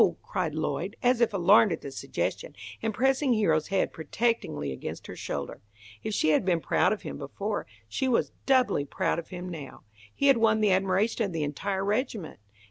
cried Lloyd, as if alarmed at the suggestion, and pressing Hero's head protectingly against her shoulder. If she had been proud of him before, she was doubly proud of him now. He had won the admiration of the entire regiment.